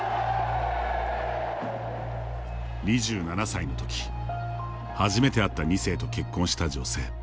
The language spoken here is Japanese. ２７歳のとき、初めて会った２世と結婚した女性。